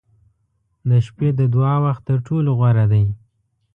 • د شپې د دعا وخت تر ټولو غوره دی.